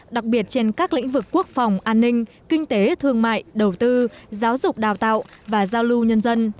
đặc biệt trên các lĩnh vực quốc phòng an ninh kinh tế thương mại đầu tư giáo dục đào tạo và giao lưu nhân dân